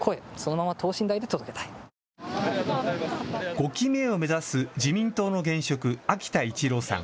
５期目を目指す自民党の現職、秋田一郎さん。